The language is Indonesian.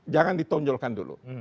jangan ditonjolkan dulu